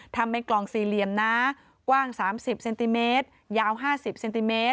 ทำเป็นกลองสี่เรียมนะกว้าง๓๐ซมยาว๕๐ซม